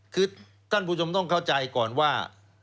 คือท่านผู้ชมต้องเข้าใจก่อนว่า